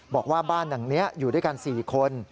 บอกว่าบ้านหลังนี้อยู่ด้วยกัน๔คน